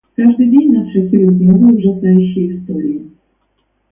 Каждый день нас шокируют новые ужасающие истории.